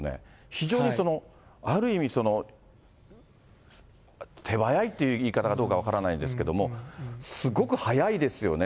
非常にある意味、手早いと言い方かどうか分からないんですけれども、すごく早いですよね。